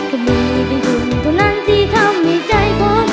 ก็มีเป็นคนตัวนั้นที่ทำให้ใจผม